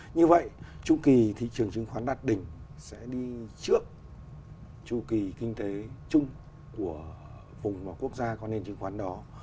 như vậy trụ kỳ thị trường chứng khoán đạt đỉnh sẽ đi trước trụ kỳ kinh tế chung của vùng và quốc gia có nền chứng khoán đó